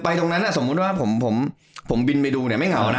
ตรงนั้นสมมุติว่าผมบินไปดูเนี่ยไม่เหงานะ